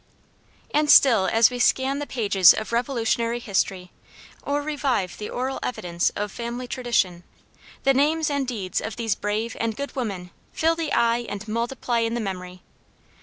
And still as we scan the pages of Revolutionary history, or revive the oral evidence of family tradition, the names and deeds of these brave and good women fill the eye and multiply in the memory.